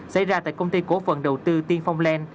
xảy ra tại công ty cổ phần đầu tư tiên phong lan